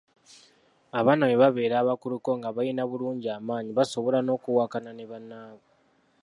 Abaana bwe babeera abakuluko nga balina bulungi amaanyi basobola n’okuwakana ne bannaabwe.